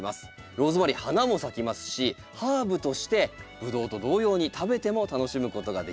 ローズマリー花も咲きますしハーブとしてブドウと同様に食べても楽しむことができます。